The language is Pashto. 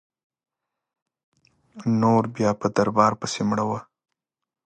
نور بیا په دربار پسي مړه وه.